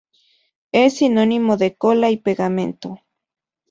Es sinónimo de cola y pegamento.